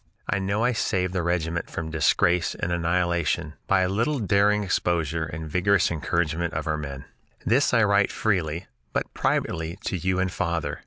I know I saved the regiment from disgrace and annihilation by a little daring exposure and vigorous encouragement of our men. This I write freely, but privately, to you and father.